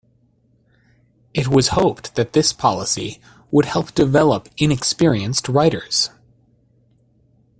It was hoped that this policy would help develop inexperienced writers.